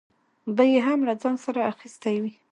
به یې هم له ځان سره اخیستې وه.